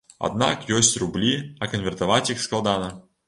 Аднак ёсць рублі, а канвертаваць іх складана.